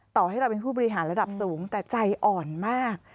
ต่อให้เราเป็นผู้บริหารระดับสูงแต่ใจอ่อนมาก